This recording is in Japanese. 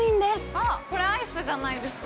あっ、これ、アイスじゃないですか？